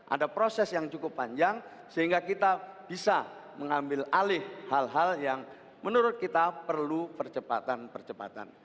ada proses yang cukup panjang sehingga kita bisa mengambil alih hal hal yang menurut kita perlu percepatan percepatan